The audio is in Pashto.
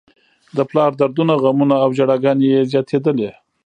د پلار دردونه، غمونه او ژړاګانې یې زياتېدلې.